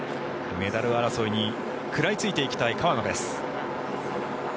メダル争いに食らいついていきたい川野です。